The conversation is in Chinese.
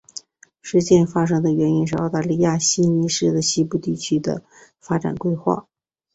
事件发生的原因是澳大利亚悉尼市的西部地区的发展规划。